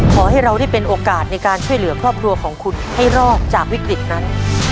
ขอให้เราได้เป็นโอกาสในการช่วยเหลือครอบครัวของคุณให้รอดจากวิกฤตนั้น